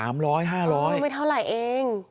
ไม่เท่าไหร่เอง